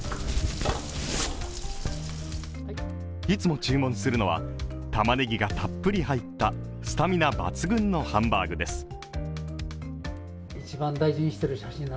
いつも注文するのは、たまねぎがたっぷり入ったスタミナ抜群のハンバーグです。